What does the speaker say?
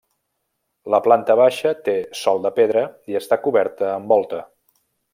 La planta baixa té sòl de pedra i està coberta amb volta.